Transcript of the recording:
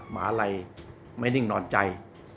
หมาลัยไม่นิ่งนอนใจ